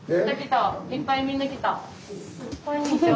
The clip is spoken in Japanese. こんにちは。